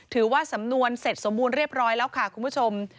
ถือว่าสำนวนเสร็จสมบูรณ์เรียบร้อยแล้วค่ะคุณผู้ชม